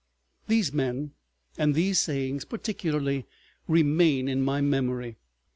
These men and these sayings particularly remain in my memory.